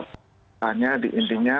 pertanyaan di intinya